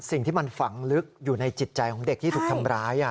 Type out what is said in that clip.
สิ่งที่มันฝังลึกอยู่ในจิตใจของเด็กที่ถูกทำร้าย